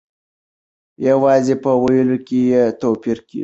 یوازې په ویلو کې یې توپیر کیږي.